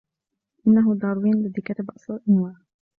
إنه داروين الذي كتب أصل الأنواع.